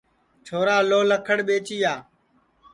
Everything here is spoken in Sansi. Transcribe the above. چھورا لھو لکڑ ٻئجیا